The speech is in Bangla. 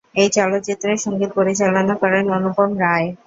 এই চলচ্চিত্রের সংগীত পরিচালনা করেন অনুপম রায়।